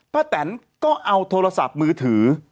แตนก็เอาโทรศัพท์มือถือ